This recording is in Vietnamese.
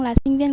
là sinh viên